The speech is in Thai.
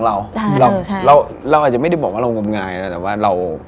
อ้าวไม่เชื่อก็ต้องไม่ต้องเชื่อ